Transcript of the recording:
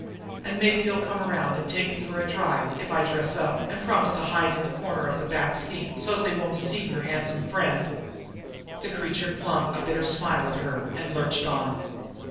And maybe you'll come around and take me for a drive, if I dress up, and promise to hide in a corner of the back seat so's they won't see your handsome friend!" The creature flung a bitter smile at her, and lurched on.